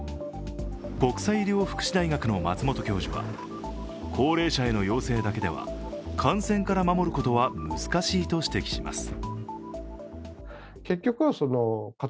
国際医療福祉大学の松本教授は高齢者への要請だけでは感染から守ることは難しいと指摘します。